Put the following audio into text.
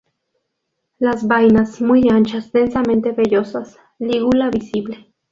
Las vainas, muy anchas, densamente vellosas; lígula visible.